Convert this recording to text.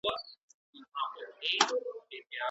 لوښي بې چکش نه جوړیږي.